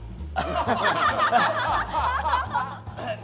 ハハハハ！